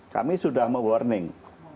kami sudah me warning